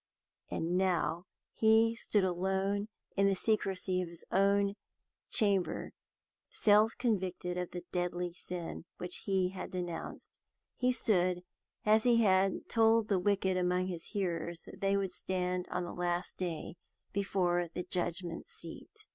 And now he stood alone in the secrecy of his own chamber self convicted of the deadly sin which he had denounced he stood, as he had told the wicked among his hearers that they would stand at the Last Day, before the Judgment Seat.